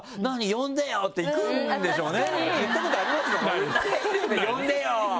呼んでよ！」って行くんでしょうね。